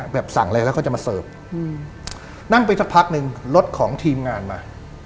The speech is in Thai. แบบสั่งอะไรแล้วเขาจะมาเสิร์ฟอืมนั่งไปสักพักหนึ่งรถของทีมงานมา